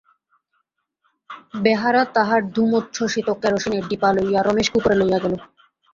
বেহারা তাহার ধূমোচ্ছ্বসিত কেরোসিনের ডিপা লইয়া রমেশকে উপরে লইয়া গেল।